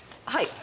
はい。